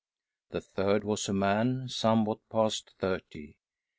The third was a man somewhat past thirty.